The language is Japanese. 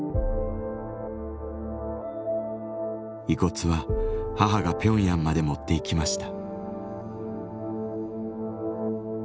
遺骨は母がピョンヤンまで持っていきました。